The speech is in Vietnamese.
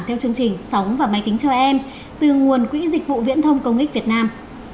theo chương trình sóng và máy tính cho em từ nguồn quỹ dịch vụ viễn thông công ích việt nam